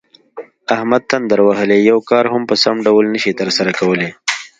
احمد تندر وهلی یو کار هم په سم ډول نشي ترسره کولی.